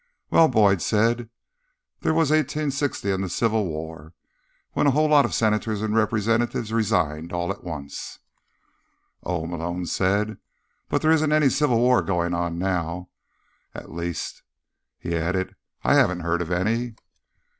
"Well," Boyd said, "there was 1860 and the Civil War, when a whole lot of senators and representatives resigned all at once." "Oh," Malone said. "But there isn't any Civil War going on now. At least," he added, "I haven't heard of any."